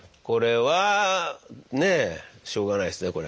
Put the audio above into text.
これはねしょうがないですね。